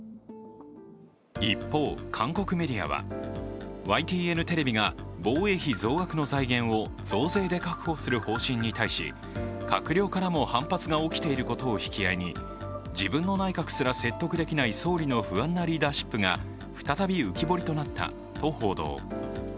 一方、韓国メディアはＹＴＮテレビが防衛費増額の財源を増税で確保する方針に対し閣僚からも反発が起きていることを引き合いに自分の内閣すら説得できない総理の不安なリーダーシップが再び浮き彫りとなったと報道。